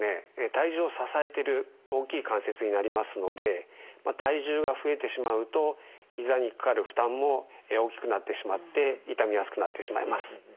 体重を支えている大きい関節になりますので体重が増えてしまうとひざにかかる負担も大きくなってしまって傷みやすくなってしまいます。